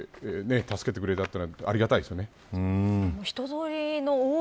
本当に頑張って助けてくれたっていうのはありがたいですよね。